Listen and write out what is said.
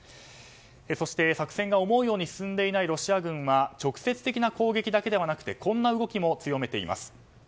そして作戦が思うように進んでいないロシア軍は直接的な攻撃だけではなくてこんな動きも強めています。